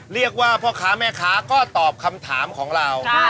เรียกว่าพ่อค้าแม่ค้าก็ตอบคำถามของเรา